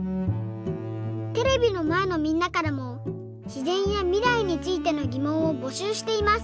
テレビのまえのみんなからもしぜんやみらいについてのぎもんをぼしゅうしています。